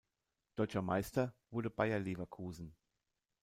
Deutscher Meister wurde Bayer Leverkusen.